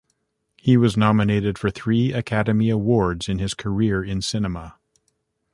He was nominated for three Academy Awards in his career in cinema.